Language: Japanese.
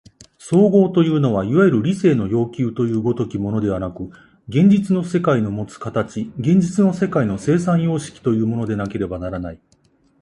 綜合というのはいわゆる理性の要求という如きものではなく、現実の世界のもつ形、現実の世界の生産様式というものでなければならない。